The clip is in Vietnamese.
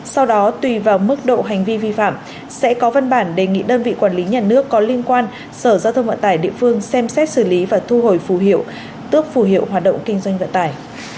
sau đó tùy vào mức độ hành vi vi phạm sẽ có văn bản đề nghị đơn vị quản lý nhà nước có liên quan sở giao thông vận tải địa phương xem xét xử lý và thu hồi phù hiệu tước phù hiệu hoạt động kinh doanh vận tải